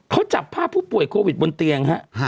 เขาจับภาพผู้ป่วยโควิดบนเตียงฮะ